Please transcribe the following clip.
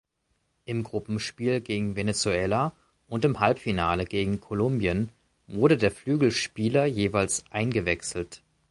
Im Gruppenspiel gegen Venezuela und im Halbfinale gegen Kolumbien wurde der Flügelspieler jeweils eingewechselt.